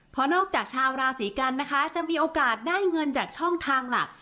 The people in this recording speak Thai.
เพราะนอกจากชาวราศีกันนะคะจะมีโอกาสได้เงินจากช่องทางหลัก